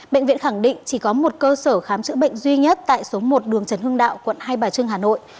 bệnh viện khẳng định chỉ có một cơ sở khám chữa bệnh duy nhất tại số một đường trần hưng đạo quận hai bà trưng hà nội